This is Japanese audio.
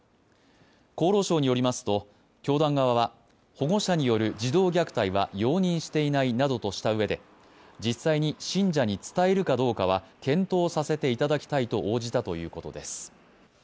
厚労省によりますと教団側は保護者による児童虐待は容認していないなどとしたうえで実際に信者に伝えるかどうかは検討させていただきたいと応じたということです。